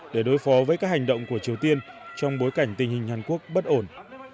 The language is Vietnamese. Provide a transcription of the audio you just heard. để đối phó với các hành động của triều tiên trong bối cảnh tình hình hàn quốc bất ổn